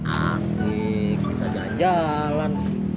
asik bisa jalan jalan